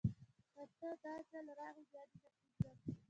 که ته، داځل راغلي بیا دې نه پریږدم